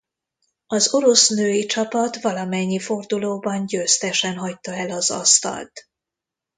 Az orosz női csapat valamennyi fordulóban győztesen hagyta el az asztalt.